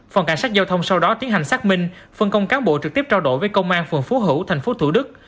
phòng cảnh sát giao thông sau đó tiến hành xác minh phân công cán bộ trực tiếp trao đổi với công an phường phú hữu tp thủ đức